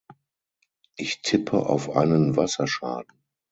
Ich tippe auf einen Wasserschaden.